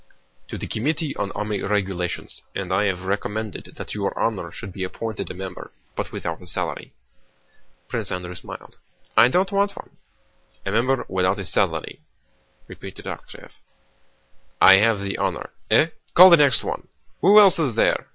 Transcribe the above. "To the Committee on Army Regulations, and I have recommended that your honor should be appointed a member, but without a salary." Prince Andrew smiled. "I don't want one." "A member without salary," repeated Arakchéev. "I have the honor... Eh! Call the next one! Who else is there?"